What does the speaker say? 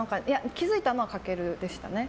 気づいたのは翔でしたね。